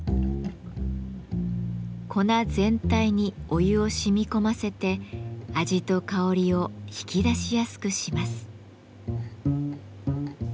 粉全体にお湯をしみ込ませて味と香りを引き出しやすくします。